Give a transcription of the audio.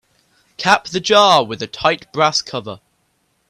Cap the jar with a tight brass cover.